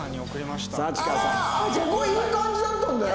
ここいい感じだったんだよ。